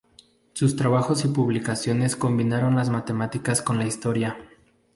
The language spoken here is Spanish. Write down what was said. Sus trabajos y publicaciones combinaron las matemáticas con la historia.